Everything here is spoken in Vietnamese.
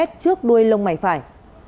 trước đuôi lông mày phải